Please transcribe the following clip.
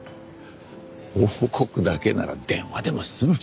報告だけなら電話でも済むじゃないか。